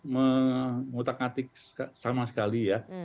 mengutak atik sama sekali ya